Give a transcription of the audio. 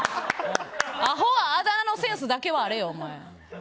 アホはあだ名のセンスだけはあれよ。